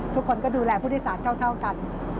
ทุกคนก็ดูแลผู้โดยสารเท่ากัน